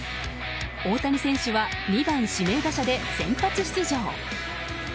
大谷選手は２番指名打者で先発出場。